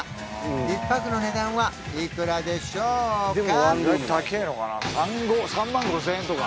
１泊の値段はいくらでしょうか？